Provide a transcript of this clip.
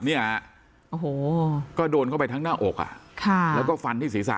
เนี่ยโอ้โหก็โดนเข้าไปทั้งหน้าอกอ่ะค่ะแล้วก็ฟันที่ศีรษะ